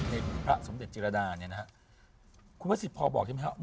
ในพระสมเด็จจิรดาคุณอาวสิทธิ์พอบอกใช่ไหมครับ